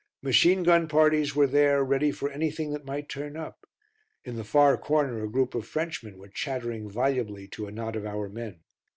Machine gun parties were there ready for anything that might turn up; in the far corner a group of Frenchmen were chattering volubly to a knot of our men.